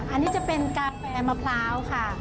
อันนี้จะเป็นกาแฟมะพร้าวค่ะ